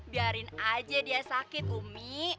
biarin aja dia sakit umi